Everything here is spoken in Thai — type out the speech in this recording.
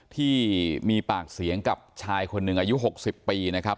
ที่มีปากเสียงกับชายคนหนึ่งอายุ๖๐ปีนะครับ